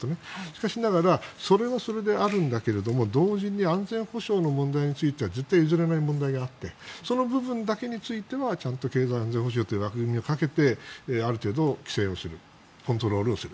しかしながらそれはそれであるんだけど同時に安全保障の問題については絶対譲れない問題があってその部分だけについてはちゃんと経済安全保障という枠組みをかけてある程度、規制をするコントロールする。